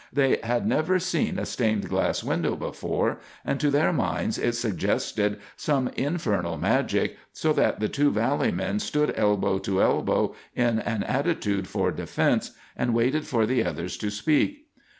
They had never seen a stained glass window before, and to their minds it suggested some infernal magic, so the two valley men stood elbow to elbow in an attitude for defense, and waited for the others to speak.